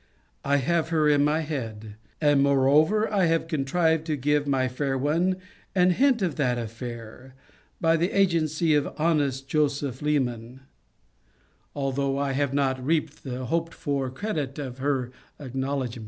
I have her in my head; and moreover have contrived to give my fair one an hint of that affair, by the agency of honest Joseph Leman;* although I have not reaped the hoped for credit of her acknowledgement.